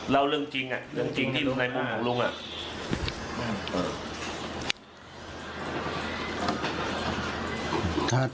เล่าเรื่องจริงน่ะเรื่องจริงที่ในหูลุงน่ะ